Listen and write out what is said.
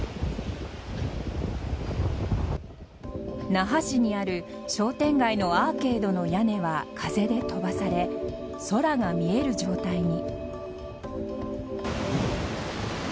那覇市にある商店街のアーケードの屋根は風で飛ばされ空が見える状態に。